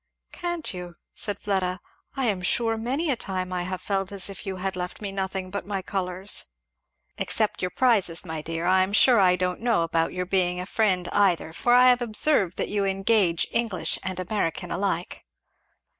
"Can't you?" said Fleda. "I am sure many a time I have felt as if you had left me nothing but my colours." "Except your prizes, my dear. I am sure I don't know about your being a friend either, for I have observed that you engage English and American alike."